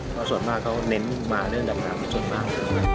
เพราะส่วนมากเขาเน้นมาเรื่องดำน้ำประชนมาก